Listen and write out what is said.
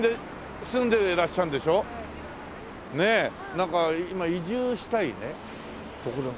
なんか今移住したい所。